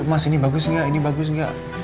mas ini bagus gak ini bagus gak